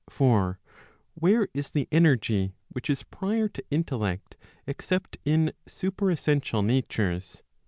For where is the energy which is prior to intellect, except in superessential natures